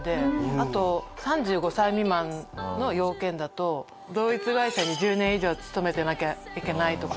あと３５歳未満の要件だと同一会社に１０年以上勤めてなきゃいけないとか。